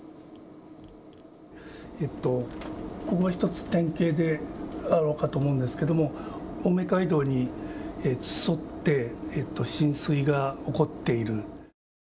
ここが１つ典型で分かるかと思うんですけども青梅街道に沿って浸水が起こっている。